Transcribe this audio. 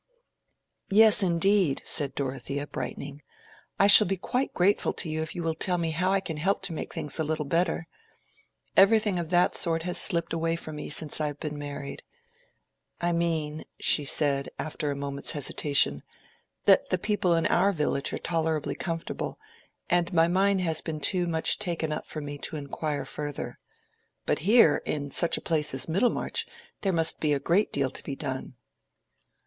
"Yes, indeed," said Dorothea, brightening. "I shall be quite grateful to you if you will tell me how I can help to make things a little better. Everything of that sort has slipped away from me since I have been married. I mean," she said, after a moment's hesitation, "that the people in our village are tolerably comfortable, and my mind has been too much taken up for me to inquire further. But here—in such a place as Middlemarch—there must be a great deal to be done."